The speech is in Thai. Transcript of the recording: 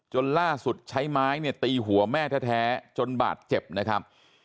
จนล่าสุดใช้ไม้เนี่ยตีหัวแม่แท้จนบาดเจ็บนะครับ